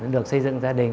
được xây dựng gia đình